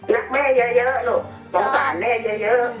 รักแม่เยอะลูกสงสารแม่เยอะ